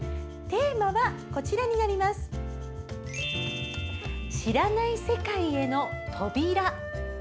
テーマは「知らない世界への扉」。